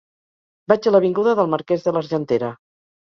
Vaig a l'avinguda del Marquès de l'Argentera.